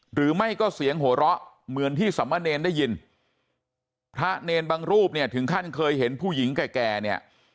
หรือไม่ก็เสียงหัวเราะเหมือนที่สมเนรได้ยินพระเนรบางรูปเนี่ยถึงขั้นเคยเห็นผู้หญิงแก่เนี่ย